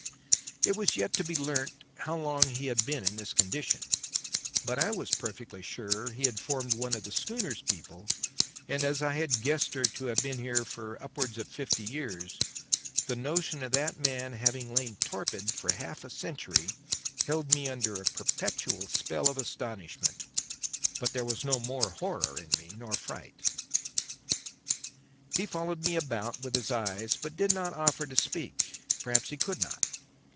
It was yet to be learnt how long he had been in this condition; but I was perfectly sure he had formed one of the schooner's people, and as I had guessed her to have been here for upwards of fifty years, the notion of that man having lain torpid for half a century held me under a perpetual spell of astonishment; but there was no more horror in me nor fright. He followed me about with his eyes but did not offer to speak; perhaps he could not.